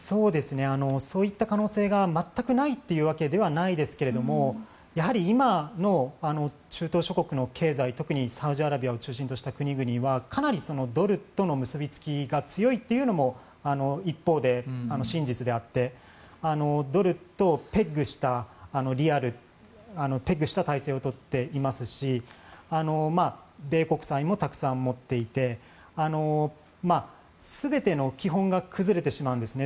そういった可能性が全くないというわけではないですけれどもやはり今の中東諸国の経済特にサウジアラビアを中心とした国々はかなりドルとの結びつきが強いというのも一方で真実であってドルとペッグした体制を取っていますし米国債もたくさん持っていて全ての基本が崩れてしまうんですね